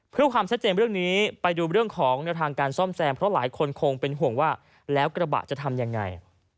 เพื่อความชัดเจนเรื่องนี้ไปดูเรื่องของแนวทางการซ่อมแซมเพราะหลายคนคงเป็นห่วงว่าแล้วกระบะจะทำยังไง